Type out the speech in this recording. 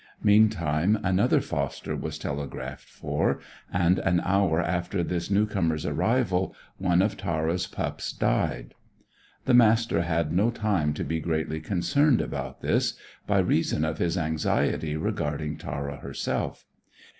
Meantime, another foster was telegraphed for, and, an hour after this new comer's arrival, one of Tara's pups died. The Master had no time to be greatly concerned about this, by reason of his anxiety regarding Tara herself.